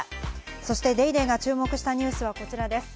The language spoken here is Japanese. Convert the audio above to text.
そして『ＤａｙＤａｙ．』が注目したニュースはこちらです。